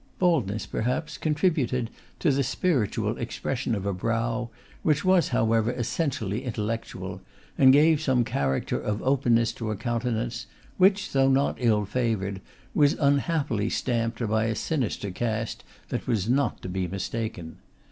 Baldness, perhaps, contributed to the spiritual expression of a brow, which was, however, essentially intellectual, and gave some character of openness to a countenance which, though not ill favoured, was unhappily stamped by a sinister cast that was not to be mistaken.